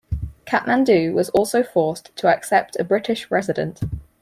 Kathmandu was also forced to accept a British Resident.